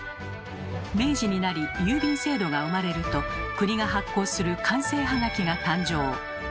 明治になり郵便制度が生まれると国が発行する「官製はがき」が誕生。